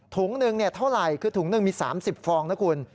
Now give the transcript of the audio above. ถุงหนึ่งเท่าไหร่คือถุงหนึ่งมี๓๐ฟองนะคุณ